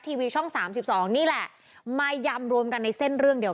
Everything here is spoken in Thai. ทีวีช่องสามสิบสองนี่แหละมายำรวมกันในเส้นเรื่องเดียว